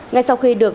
ngay sau khi được